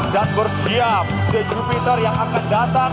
dan bersiap the jupiter yang akan datang